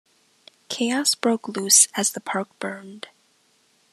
Chaos broke loose as the park burned.